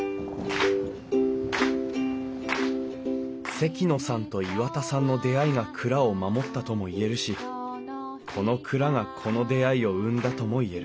関野さんと岩田さんの出会いが蔵を守ったとも言えるしこの蔵がこの出会いを生んだとも言える。